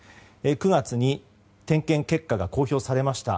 ９月に点検結果が公表されました。